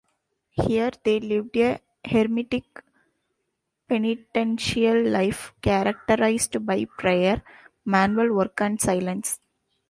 Here they lived a hermitic penitential life characterised by prayer, manual work and silence.